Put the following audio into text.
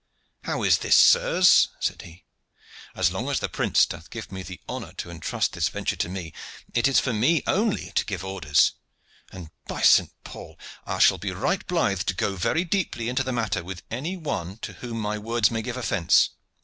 "How is this, sirs?" said he. "As long as the prince doth me the honor to entrust this venture to me, it is for me only to give orders; and, by Saint Paul! I shall be right blithe to go very deeply into the matter with any one to whom my words may give offence.